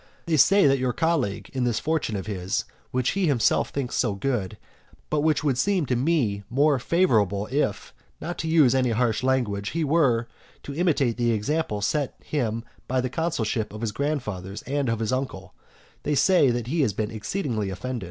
They say that your colleague, in this fortune of his, which he himself thinks so good, but which would seem to me more favourable if (not to use any harsh language) he were to imitate the example set him by the consulship of his grandfathers and of his uncle, they say that he has been exceedingly offended.